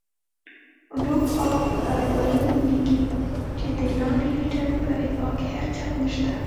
ډوک آف ارګایل لیکي چې د لارډ لیټن په ادعا کې حقیقت نشته.